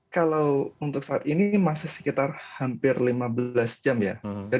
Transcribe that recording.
kalau untuk saat ini masih sekitar hampir lima belas jam ya